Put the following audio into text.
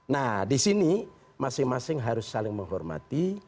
nah di sini masing masing harus saling menghormati